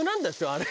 あれ。